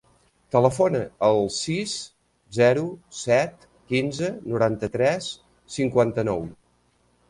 Telefona al sis, zero, set, quinze, noranta-tres, cinquanta-nou.